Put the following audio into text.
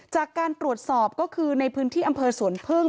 จากการตรวจสอบก็คือในพื้นที่อำเภอสวนพึ่ง